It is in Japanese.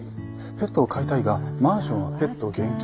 ペットを飼いたいがマンションはペット厳禁。